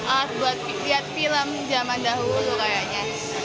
ah buat lihat film zaman dahulu kayaknya